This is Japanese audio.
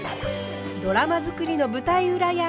ドラマづくりの舞台裏や。